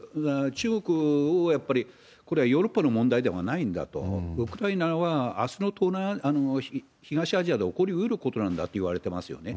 中国をやっぱり、これはヨーロッパの問題ではないんだと、ウクライナは、あすの東アジアで起こりうることだといわれてますよね。